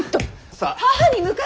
さあ。